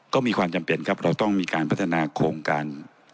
ก็มีความจำเป็นครับเราต้องมีการพัฒนาโครงการ